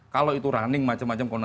kalau itu running macam macam